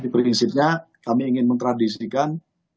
prinsipnya kami ingin mentradisikan